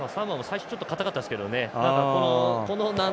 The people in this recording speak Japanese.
サモアも最初ちょっと硬かったですけどね。